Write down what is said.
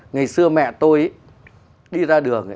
ngày xưa mẹ tôi đi ra đường